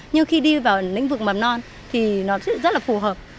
nhưng khi đi vào lĩnh vực mầm non thì nó rất là phù hợp